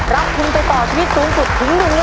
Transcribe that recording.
รับคุณไปต่อชีวิตสูงสุดถึง๑ล้านบาท